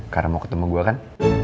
karena mau ketemu gue kan